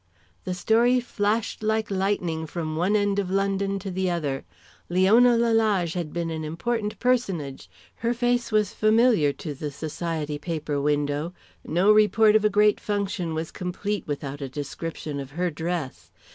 The story flashed like lightning from one end of London to the other. Leona Lalage had been an important personage. Her face was familiar to the society paper window; no report of a great function was complete without a description of her dress.